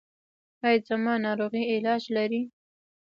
ایا زما ناروغي علاج لري؟